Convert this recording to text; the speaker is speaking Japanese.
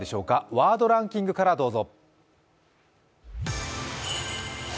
「ワードランキング」からどうぞ。